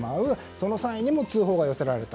その際にも通報が寄せられた。